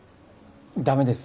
駄目です！